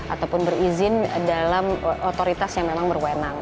ataupun berizin dalam otoritas yang memang berwenang